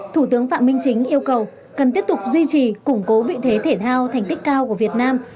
thủ tướng phạm minh chính yêu cầu cần tiếp tục duy trì củng cố vị thế thể thao thành tích cao của việt nam